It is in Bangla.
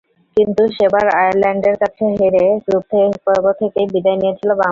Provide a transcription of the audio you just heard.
কিন্তু সেবার আয়ারল্যান্ডের কাছে হেরে গ্রুপ পর্ব থেকেই বিদায় নিয়েছিল বাংলাদেশ।